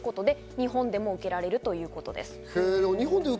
日本でも受けられるということです。